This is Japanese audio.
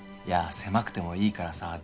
いや狭くてもいいからさ